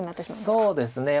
そうですね